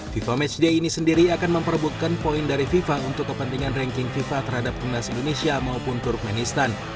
fifa matchday ini sendiri akan memperebutkan poin dari fifa untuk kepentingan ranking fifa terhadap timnas indonesia maupun turkmenistan